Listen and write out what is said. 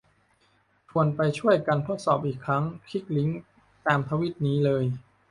ชวนไปช่วยกันทดสอบอีกครั้ง คลิกลิงก์ตามทวีตนี้เลย